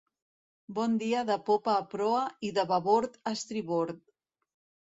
Bon dia de popa a proa i de babord a estribord!